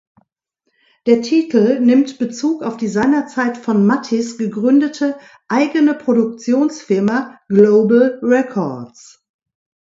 Der Titel nimmt Bezug auf die seinerzeit von Mathis gegründete eigene Produktionsfirma Global Records.